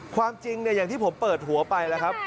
ความจริงอย่างที่ผมเปิดหัวไปแล้วครับ